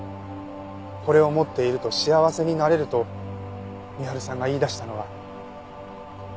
これを持っていると幸せになれると深春さんが言い出したのは。